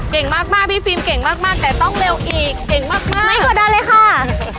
เก่งมากพี่ฟิล์มเก่งมากแต่ต้องเร็วอีกเก่งมากไม่กดดันเลยค่ะ